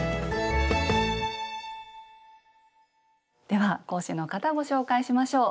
では講師の方をご紹介しましょう。